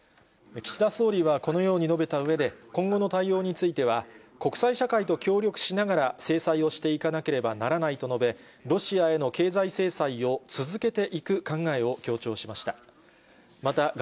岸田総理はこのように述べたうえで、今後の対応については、国際社会と協力しながら制裁をしていかなければならないと述べ、ロシアへの経済制裁を続けていく考えを強調しました。